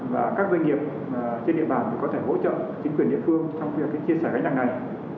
và các doanh nghiệp trên địa bàn có thể hỗ trợ chính quyền địa phương trong việc chia sẻ gánh nặng này